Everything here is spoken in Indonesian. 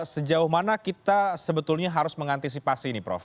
sejauh mana kita sebetulnya harus mengantisipasi ini prof